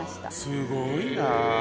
すごいな。